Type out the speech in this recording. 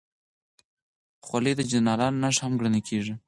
خولۍ د جنرالانو نښه هم ګڼل شوې.